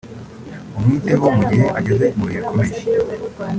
umwiteho mu gihe ageze mu bihe bikomeye